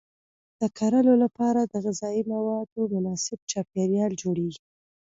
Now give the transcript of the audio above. د کرلو لپاره د غذایي موادو مناسب چاپیریال جوړیږي.